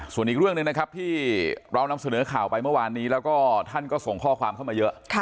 ส่วนอีกเรื่องหนึ่งนะครับที่เรานำเสนอข่าวไปเมื่อวานนี้แล้วก็ท่านก็ส่งข้อความเข้ามาเยอะ